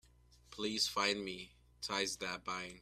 Please fine me, Ties That Bind.